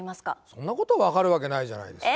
そんなこと分かるわけないじゃないですか。